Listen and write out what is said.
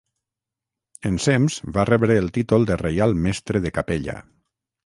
Ensems va rebre el títol de reial mestre de capella.